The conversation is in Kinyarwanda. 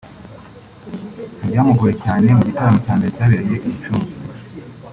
Mu byamugoye cyane mu gitaramo cya mbere cyabereye i Gicumbi